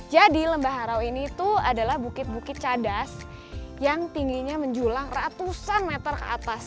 jadi lembah harau ini tuh adalah bukit bukit cadas yang tingginya menjulang ratusan meter ke atas